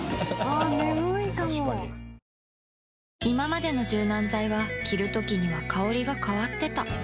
いままでの柔軟剤は着るときには香りが変わってた